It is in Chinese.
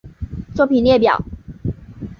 作品列表